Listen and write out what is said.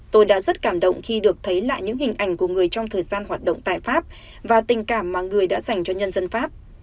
tôi đã rất cảm động khi được thấy lại những hình ảnh của người trong thời gian hoạt động tại pháp và tình cảm mà người đã dành cho nhân dân pháp